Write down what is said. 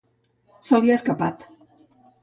Se li ha escapat.